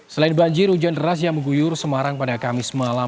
selain banjir hujan deras yang mengguyur semarang pada kamis malam